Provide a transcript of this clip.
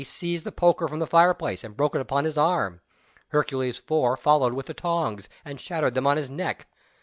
seized the poker from the fireplace, and broke it on his arm. Hercules IV. followed with the tongs, and shattered them on his neck.